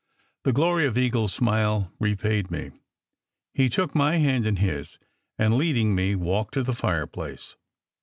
The glory of Eagle s smile repaid me. He took my hand in his, and leading me, walked to the fireplace.